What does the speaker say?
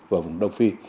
và vùng đông phi